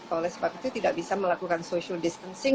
oleh sebab itu tidak bisa melakukan social distancing